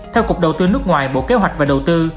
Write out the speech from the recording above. theo cục đầu tư nước ngoài bộ kế hoạch và đầu tư